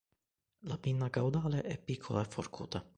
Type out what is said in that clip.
La pinna caudale è piccola e forcuta.